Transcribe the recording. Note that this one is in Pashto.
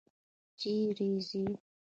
چیري ځې؟